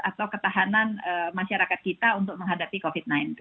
atau ketahanan masyarakat kita untuk menghadapi covid sembilan belas